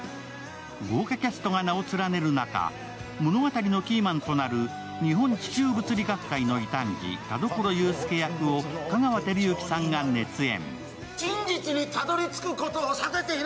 豪華キャストが名を連ねる中、物語のキーマンとなる日本地球物理学会の異端児田所雄介役を香川照之さんが熱演。